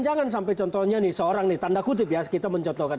jangan sampai contohnya nih seorang nih tanda kutip ya kita mencontohkan